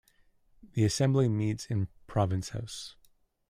The assembly meets in Province House.